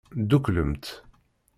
Dduklemt.